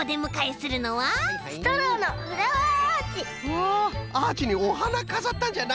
わあっアーチにおはなかざったんじゃな！